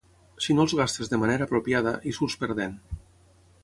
Si no els gastes de manera apropiada, hi surts perdent.